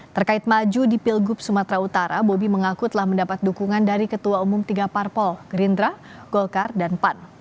terkait maju di pilgub sumatera utara bobi mengaku telah mendapat dukungan dari ketua umum tiga parpol gerindra golkar dan pan